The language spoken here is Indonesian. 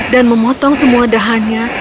dan memotong semua dahannya